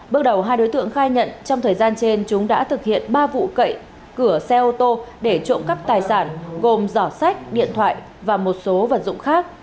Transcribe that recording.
bước đầu hai đối tượng khai nhận trong thời gian trên chúng đã thực hiện ba vụ cậy cửa xe ô tô để trộm cắp tài sản gồm giỏ sách điện thoại và một số vật dụng khác